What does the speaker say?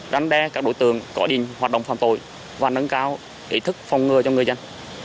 rắn đe các đối tượng có định hoạt động phạm tội và nâng cao ý thức phong ngừa cho người dân